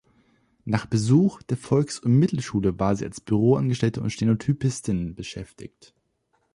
Nach Besuch der Volks- und Mittelschule war sie als Büroangestellte und Stenotypistin beschäftigt.